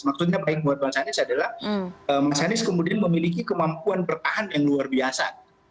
maksudnya paling buat mas anies adalah mas anies kemudian memiliki kemampuan bertahan yang luar biasa